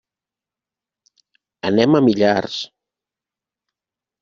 Anem a Millars.